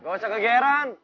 gak usah kegeran